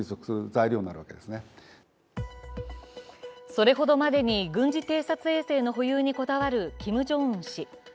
それほどまでに軍事偵察衛星の保有にこだわるキム・ジョンウン氏。